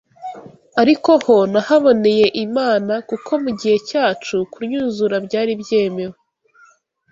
ariko ho nahaboneye Imana kuko mu gihe cyacu kunnyuzura byari byemewe